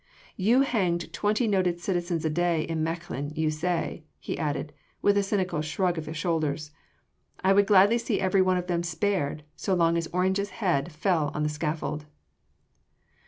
You hanged twenty noted citizens a day in Mechlin, you say," he added with a cynical shrug of the shoulders, "I would gladly see every one of them spared, so long as Orange’s head fell on the scaffold."